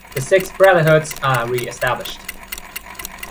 The six brotherhoods are reestablished.